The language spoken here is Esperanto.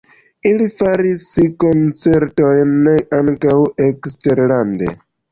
Ili faris koncertojn ankaŭ eksterlande.